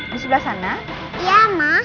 di sebelah sana iya ma